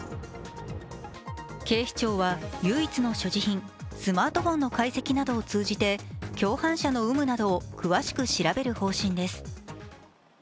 警視庁は唯一の所持品スマートフォンの解析などを通じて共犯者の有無などを詳しく調べる方針です。